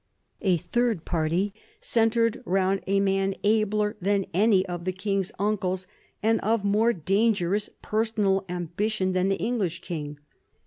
A third party centred round a man abler than any of the king's uncles, and of more dangerous personal am bition than the English king.